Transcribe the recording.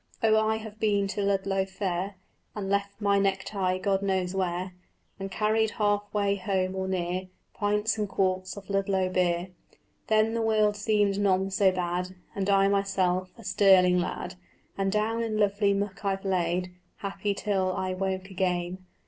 Oh I have been to Ludlow fair And left my necktie God knows where, And carried half way home, or near, Pints and quarts of Ludlow beer: Then the world seemed none so bad, And I myself a sterling lad; And down in lovely muck I've lain, Happy till I woke again.